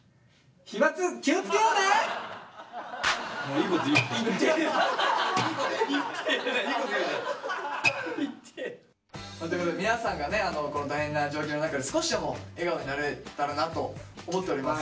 いいこと言うよね？ということで皆さんがねこの大変な状況の中で少しでも笑顔になれたらなと思っております。